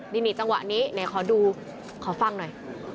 ดินิจจังหวะนี้นายขอดูขอฟังหน่อย